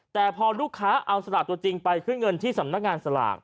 แต่พอลูกค้าเอาสลากตัวจริงไปขึ้นเงินที่สำนักงานสลาก